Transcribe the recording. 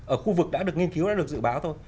ở khu vực đã được nghiên cứu đã được dự báo thôi